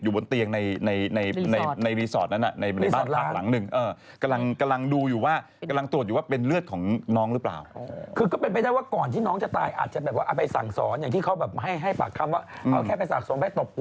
อย่างที่เขาแบบให้ปากคำว่าเอาแค่ไปสั่งสอนเอาแค่ไปตบหัว